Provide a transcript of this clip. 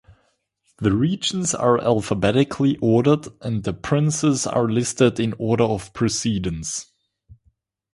The regions are alphabetically ordered and the princes are listed in order of precedence.